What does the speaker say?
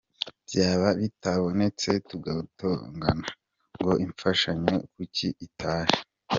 Byaba bitabonetse tugatongana, ngo imfashanyo kuki itaje?